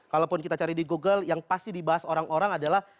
kalaupun kita cari di google yang pasti dibahas orang orang adalah